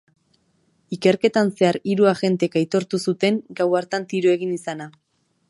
Ikerketan zehar, hiru agentek aitortu zuten gau hartan tiro egin izana.